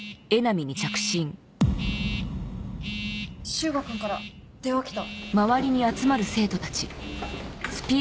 修吾君から電話来た。